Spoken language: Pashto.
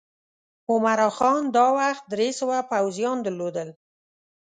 عمرا خان دا وخت درې سوه پوځیان درلودل.